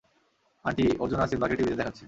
Aunty, Arjun আর সিম্বাকে টিভিতে দেখাচ্ছে।